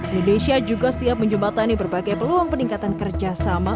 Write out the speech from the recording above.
indonesia juga siap menjembatani berbagai peluang peningkatan kerjasama